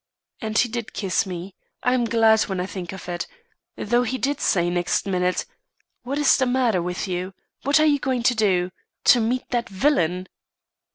And he did kiss me I'm glad when I think of it, though he did say, next minute: 'What is the matter with you? What are you going to do? To meet that villain?